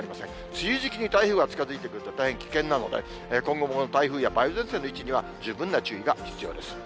梅雨時期に台風が近づいてくると大変危険なので、今後もこの台風や梅雨前線の位置には、十分な注意が必要です。